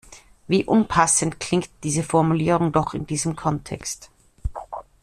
Wie unpassend klingt diese Formulierung doch in diesem Kontext!